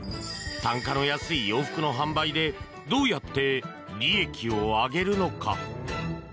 単価の安い洋服の販売でどうやって利益を上げるのか。